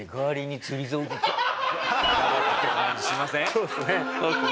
そうですね。